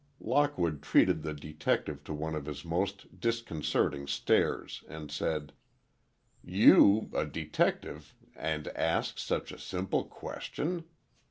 Lockwood treated the detective to one of his most disconcerting stares, and said, "You, a detective, and ask such a simple question!